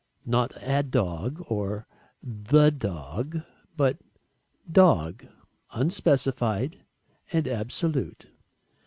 Not "a dog" or "the dog" but "dog" unspecified and absolute.